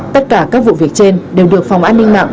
tất cả các vụ việc trên đều được phòng an ninh mạng